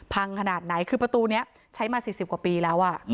ขนาดไหนคือประตูนี้ใช้มา๔๐กว่าปีแล้ว